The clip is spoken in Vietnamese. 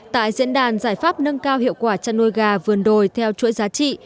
tại diễn đàn giải pháp nâng cao hiệu quả chăn nuôi gà vườn đồi theo chuỗi giá trị